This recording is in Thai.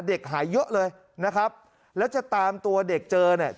เด็กหายเยอะเลยนะครับแล้วจะตามตัวเด็กเจอเนี่ย